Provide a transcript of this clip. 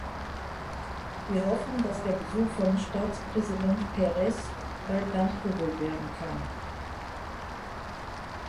Wir hoffen, dass der Besuch von Staatspräsident Peres bald nachgeholt werden kann.